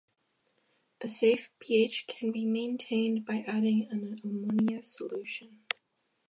A safe pH can be maintained by adding an ammonia solution.